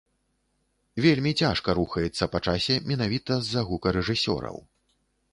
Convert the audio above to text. Вельмі цяжка рухаецца па часе менавіта з-за гукарэжысёраў.